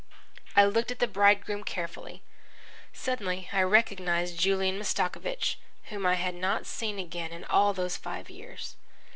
I looked at the bridegroom carefully. Suddenly I recognised Julian Mastakovich, whom I had not seen again in all those five years.